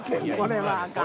これはあかん。